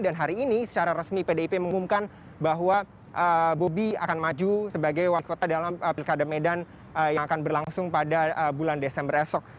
dan hari ini secara resmi pdip mengumumkan bahwa bobi akan maju sebagai wakil kota dalam pilkada medan yang akan berlangsung pada bulan desember esok